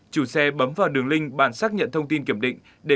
chủ xe bấm vào đường link bàn xác nhận thông tin kiểm định